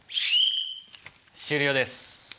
終了です。